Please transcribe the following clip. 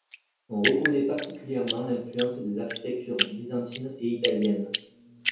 On reconnaît particulièrement l'influence des architectures byzantines et italiennes.